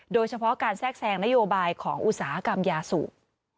โดยเฉพาะการแทรกแทรงนโยบายของอุตสาหกรรมยาสูบ